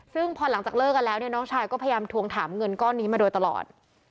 ซึ่งพอหลังจากเลิกกันแล้วเนี่ยน้องชายก็พยายามทวงถามเงินก้อนนี้มาโดยตลอด